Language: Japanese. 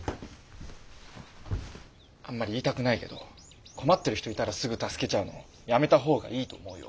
あんまり言いたくないけど困ってる人いたらすぐ助けちゃうのやめた方がいいと思うよ？